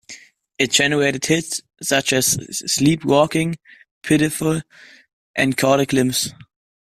It generated hits such as "Sleepwalking", "Pitiful," and "Caught a Glimpse.